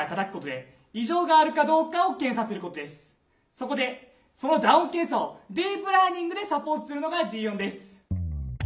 そこでその打音検査をディープラーニングでサポートするのが「Ｄ−ＯＮ」です。